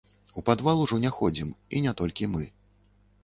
У падвал ужо не ходзім, і не толькі мы.